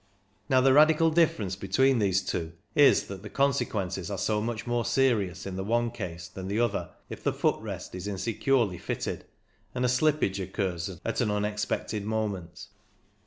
Now the radical difference between these two is that the consequences are so much more serious in the one case than the other if the foot rest is insecurely fitted and a slip PURELY MECHANICAL 235 page occurs at an unexpected moment.